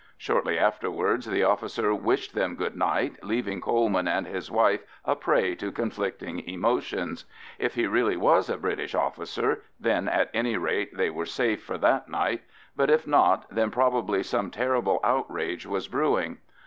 Shortly afterwards the officer wished them good night, leaving Coleman and his wife a prey to conflicting emotions. If he really was a British officer, then at any rate they were safe for that night, but if not, then probably some terrible outrage was brewing.